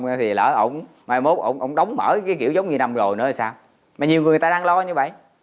mà ông mai mốt ông đóng mở cái kiểu giống như năm rồi nữa sao mà nhiều người ta đang lo như vậy